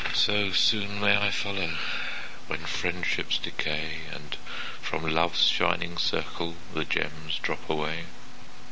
So soon may I follow, When friendships decay, And from Love's shining circle The gems drop away.